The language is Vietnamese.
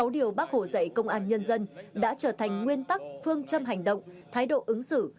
sáu điều bác hồ dạy công an nhân dân đã trở thành nguyên tắc phương châm hành động thái độ ứng xử